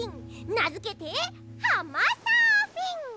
なづけてはまサーフィン！